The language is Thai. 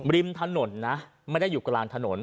ริมถนนนะไม่ได้อยู่กลางถนน